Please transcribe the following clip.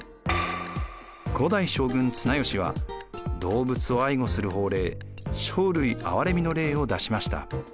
５代将軍・綱吉は動物を愛護する法令生類憐みの令を出しました。